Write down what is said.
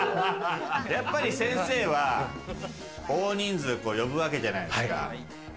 先生は大人数呼ぶわけじゃないですか。